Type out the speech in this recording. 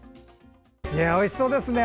おいしそうですね。